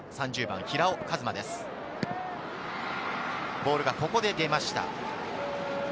ボールがここで出ました。